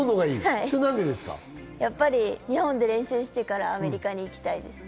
日本で練習してからアメリカに行きたいです。